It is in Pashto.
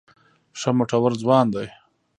ښه مټور ځوان دی.